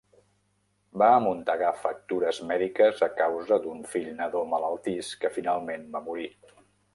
Va amuntegar factures mèdiques a causa d'un fill nadó malaltís que finalment va morir.